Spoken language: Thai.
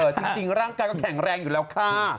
จริงร่างกายก็แข็งแรงอยู่แล้วค่ะ